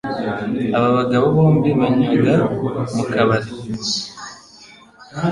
Aba bagabo bombi banywaga mu kabari.